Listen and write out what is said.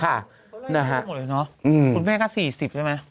เขาเล่นทุกอย่างหมดเลยเนอะคุณแม่ก็๔๐ใช่ไหม